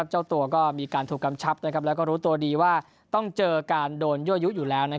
เจ้าตัวก็มีการถูกกำชับแล้วก็รู้ตัวดีว่าต้องเจอการโดนยั่วยุอยู่แล้ว